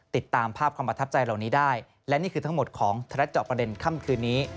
ติดตามภาพความประทับใจเหล่านี้ได้และนี่คือทั้งหมดของธนัดเจาะประเด็นค่ำคืนนี้